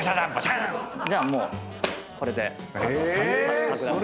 じゃあもうこれで。え！